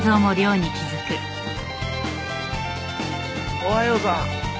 おはようさん。